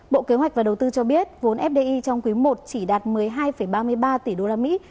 bộ kế hoạch và đầu tư cho biết vốn fdi trong quý i chỉ đạt một mươi hai ba mươi ba tỷ đô la mỹ